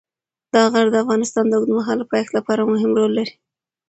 دا غر د افغانستان د اوږدمهاله پایښت لپاره مهم رول لري.